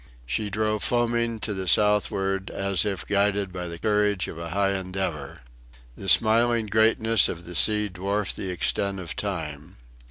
She drove foaming to the southward, as if guided by the courage of a high endeavour. The smiling greatness of the sea dwarfed the extent of time.